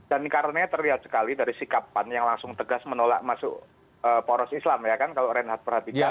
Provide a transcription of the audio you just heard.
dan karena terlihat sekali dari sikap pan yang langsung tegas menolak masuk poros islam ya kan kalau reinhardt perhatikan